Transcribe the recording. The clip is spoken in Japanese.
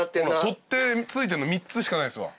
取っ手ついてんの３つしかないですわ。